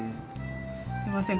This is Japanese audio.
すいません